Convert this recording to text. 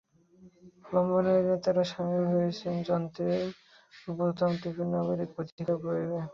লম্বা লাইনে তাঁরা শামিল হয়েছেন যন্ত্রের বোতাম টিপে নাগরিক অধিকার প্রয়োগে।